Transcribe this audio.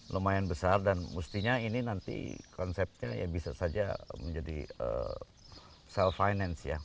lumayan besar dan mestinya ini nanti konsepnya ya bisa saja menjadi self finance ya